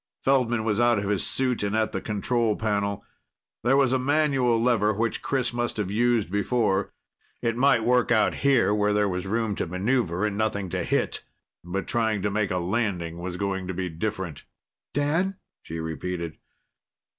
Feldman was out of his suit and at the control panel. There was a manual lever, which Chris must have used before. It might work out here where there was room to maneuver and nothing to hit. But trying to make a landing was going to be different. "Dan?" she repeated.